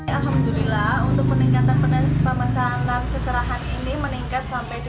alhamdulillah untuk meningkatkan penasaran pemasangan seserahan ini